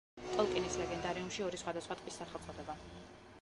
ტოლკინის ლეგენდარიუმში ორი სხვადასხვა ტყის სახელწოდება.